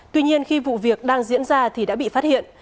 tuy nhiên khi vụ việc đang diễn ra thì đã bị phát hiện